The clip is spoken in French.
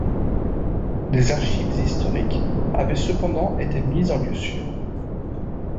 Les archives historiques avaient cependant été mises en lieu sûr.